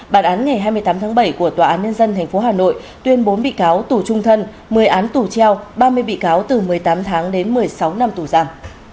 bản án ngày hai mươi tám tháng bảy của tòa án nhân dân tp hà nội tuyên bốn bị cáo tù trung thân một mươi án tù treo ba mươi bị cáo từ một mươi tám tháng đến một mươi sáu năm tù giảm